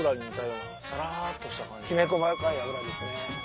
きめ細かい脂ですね。